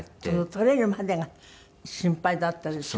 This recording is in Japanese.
取れるまでが心配だったでしょ？